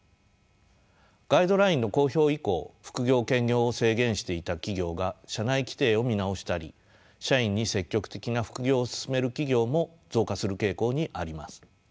ガイドラインの公表以降副業・兼業を制限していた企業が社内規定を見直したり社員に積極的な副業を勧める企業も増加する傾向にあります。